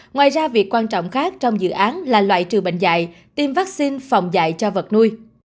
ngoài ra việc quan trọng khác trong dự án là loại trừ bệnh dạy tiêm vaccine phòng dạy cho vật nuôi